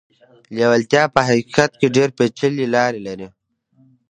لېوالتیا په حقيقت کې ډېرې پېچلې لارې لري.